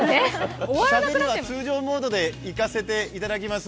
しゃべるのは通常モードでいかせていただきます。